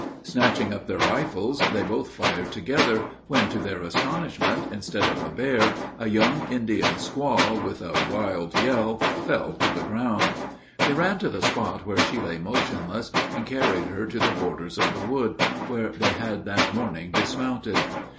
Snatching up their rifles, they both fired together; when, to their astonishment, instead of a bear, a young Indian squaw, with a wild yell, fell to the ground. They ran to the spot where she lay motionless, and carried her to the borders of the wood, where they had that morning dismounted.